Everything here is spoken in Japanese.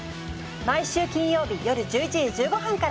毎週金曜日夜１１時１５分から！